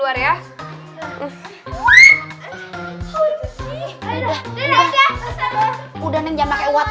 udah bersihin aja